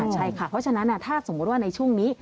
ใช่ค่ะเพราะฉะนั้นถ้าสมมุติว่าในช่วงนี้